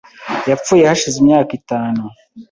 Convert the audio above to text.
Yapfuye hashize imyaka itanu.